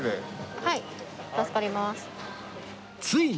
はい。